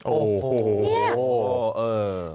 โอ้โฮโอ้โฮโอ้โฮ